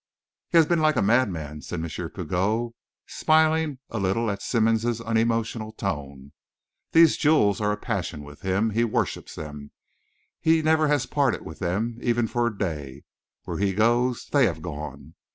"He has been like a madman," said M. Pigot, smiling a little at Simmonds's unemotional tone. "These jewels are a passion with him; he worships them; he never has parted with them, even for a day; where he goes, they have gone.